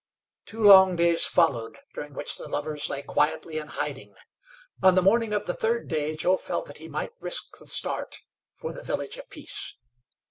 Two long days followed, during which the lovers lay quietly in hiding. On the morning of the third day Joe felt that he might risk the start for the Village of Peace.